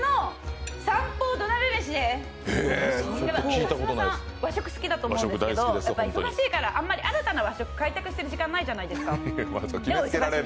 川島さん、和食好きだと思うんですけど、忙しいからあんまり新たな和食を開拓してる時間ないじゃないですか。